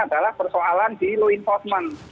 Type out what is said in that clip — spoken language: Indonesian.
adalah persoalan di law enforcement